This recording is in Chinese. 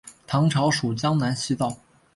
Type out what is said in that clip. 唐朝属江南西道。